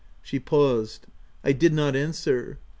She paused. I did not answer.